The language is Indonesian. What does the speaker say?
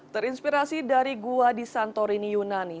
terinspirasi dari gua di santorini yunani